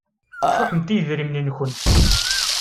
Cuḥemt i yidrimen-nkent.